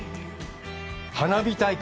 花火大会！